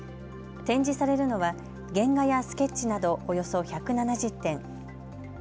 展示されるのは原画やスケッチなどおよそ１７０点。